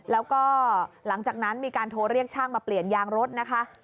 แล้วก็หลังจากนั้นมีการโทรเรียกช่างมาเปลี่ยนยางรถนะคะ